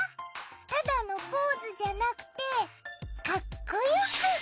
ただのポーズじゃなくてかっこよく！